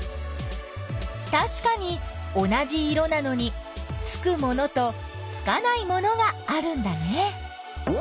たしかに同じ色なのにつくものとつかないものがあるんだね。